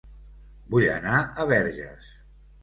Vull anar a Verges